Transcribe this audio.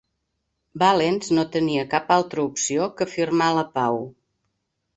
Valens no tenia cap altra opció que firmar la pau.